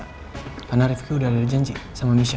karena rifqi udah ada janji sama misha